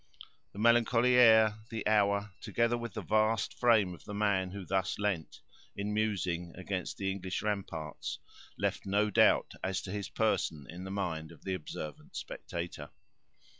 The melancholy air, the hour, together with the vast frame of the man who thus leaned, musing, against the English ramparts, left no doubt as to his person in the mind of the observant spectator.